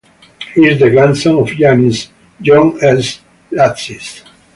He is the grandson of Yiannis "John S." Latsis.